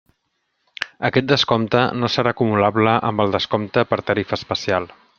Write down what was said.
Aquest descompte no serà acumulable amb el descompte per tarifa especial.